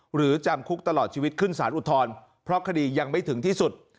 หรือจำคุกตลอดชีวิตขึ้นสารอุทธรณ์เพราะคดียังไม่ถึงที่สุด